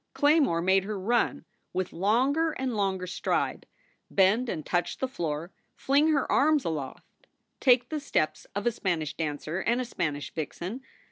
Claymore made her run, with longer and longer stride, bend and touch the floor, fling her arms aloft, take the steps of a Spanish dancer and a Spanish vixen.